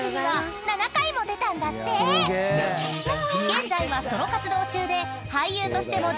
［現在はソロ活動中で］